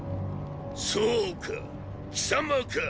そうか貴様か。